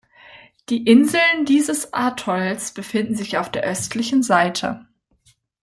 Die Inseln dieses Atolls befinden sich auf der östlichen Seite.